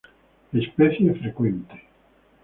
Especie frecuente.